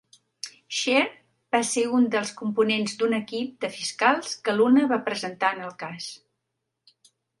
Shere va ser un dels components d'un equip de fiscals que Luna va presentar en el cas.